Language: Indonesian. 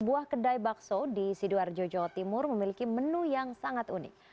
sebuah kedai bakso di sidoarjo jawa timur memiliki menu yang sangat unik